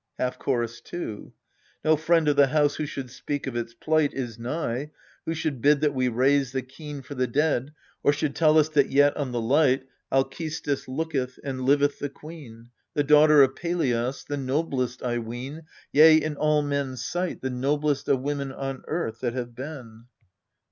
Half Chorus 2. No friend of the house who should speak of its plight Is nigh, who should bid that we raise the keen For the dead, or should tell us that yet on the light Alcestis looketh, and liveth the queen, The daughter of Pelias, the noblest, I ween, Yea, in all men's sight The noblest of women on earth that have been.